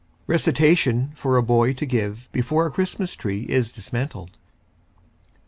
= (Recitation for a boy to give before a Christmas tree is dismantled.)